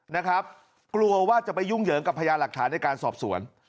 นะครับกลัวว่าจะไปยุ่งเหยิงกับพญาหลักฐานในการสอบสวน